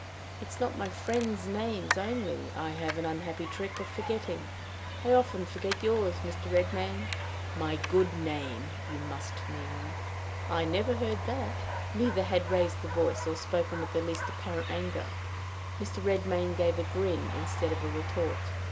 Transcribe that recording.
"It is not my friends' names only I have an unhappy trick of forgetting. I often forget yours, Mr. Redmain!" "My good name, you must mean." "I never heard that." Neither had raised the voice, or spoken with the least apparent anger. Mr. Redmain gave a grin instead of a retort.